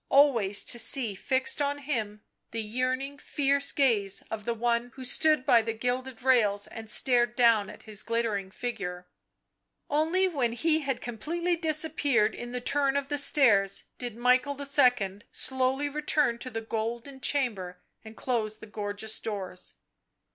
Always to see fixed on him the yearning, fierce gaze of the one who stood by the gilded rails and stared down at his glittering figure. Only when he had com pletely disappeared in the turn of the stairs did Michael II. slowly return to the golden chamber and close the gorgeous doors.